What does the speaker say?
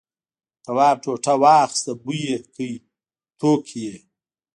تواب ټوټه واخیسته بوی یې کړ توک یې.